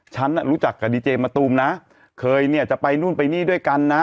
ฉันรู้จักกับดีเจมะตูมนะเคยเนี่ยจะไปนู่นไปนี่ด้วยกันนะ